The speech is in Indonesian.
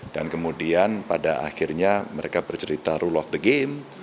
dan kemudian pada akhirnya mereka bercerita rule of the game